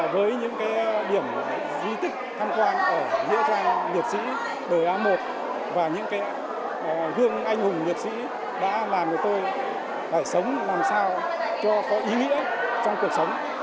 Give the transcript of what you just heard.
với những cái điểm di tích tham quan ở nghĩa trang liệt sĩ đời a một và những cái gương anh hùng liệt sĩ đã làm cho tôi lại sống làm sao cho có ý nghĩa trong cuộc sống